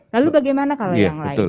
lalu bagaimana kalau yang lain